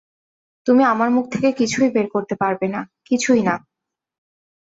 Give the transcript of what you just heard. তুমি আমার মুখ থেকে কিছুই বের করতে পারবে না, কিছুই না!